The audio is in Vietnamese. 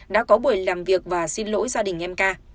đã có buổi làm việc và xin lỗi gia đình em ca